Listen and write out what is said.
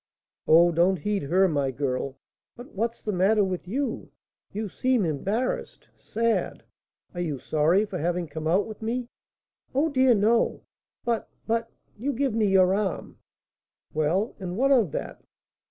"Oh, don't heed her, my girl. But what's the matter with you? You seem embarrassed, sad. Are you sorry for having come out with me?" "Oh, dear, no; but but you give me your arm!" "Well, and what of that?"